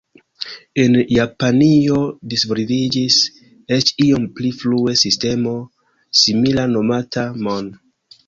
En Japanio disvolviĝis, eĉ iom pli frue, sistemo simila nomata "mon".